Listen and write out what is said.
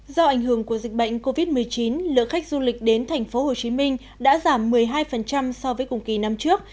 do ảnh hưởng của dịch bệnh covid một mươi chín lượng khách du lịch đến tp hcm đã giảm một mươi hai so với cùng kỳ năm trước